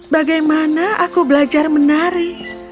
bagaimana aku belajar menari